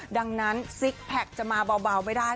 ดังนั้นซิกแพคจะมาเบาไม่ได้